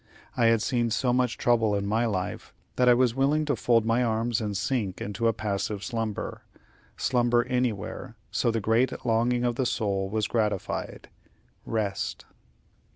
I had seen so much trouble in my life, that I was willing to fold my arms and sink into a passive slumber slumber anywhere, so the great longing of the soul was gratified rest.